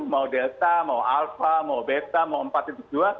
mau delta mau alpha mau beta mau empat dua